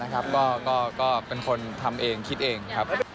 ก็เป็นคนทำเองสร้างใจเอง